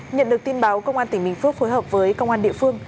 nhận được tin báo công an tỉnh bình phước phối hợp với công an địa phương